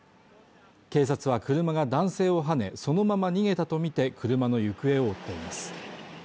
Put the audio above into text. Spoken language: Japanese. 警察は車が男性をはね、そのまま逃げたとみて車の行方を追っています。